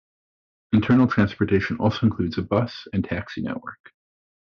Internal transportation also includes a bus and taxi network.